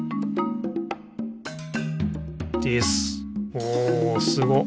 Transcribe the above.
おおすご。